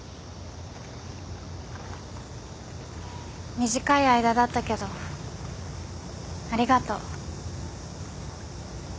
短い間だったけどありがとう。